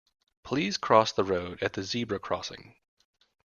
Please cross the road at the zebra crossing